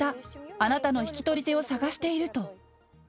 あなたの引き取り手を探していると。